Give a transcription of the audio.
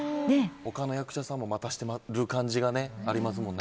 他の役者さんも待たせてる感じがありますもんね。